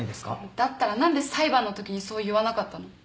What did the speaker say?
だったら何で裁判のときにそう言わなかったの？